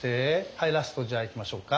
はいラストじゃあいきましょうか。